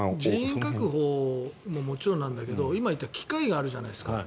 人員確保もあるけど今言った機械があるじゃないですか。